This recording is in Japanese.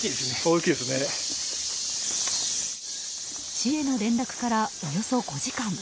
市への連絡からおよそ５時間。